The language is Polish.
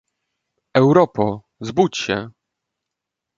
Europo, zbudź się!